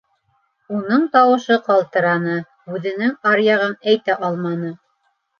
— Уның тауышы ҡалтыраны, һүҙенең аръяғын әйтә алманы.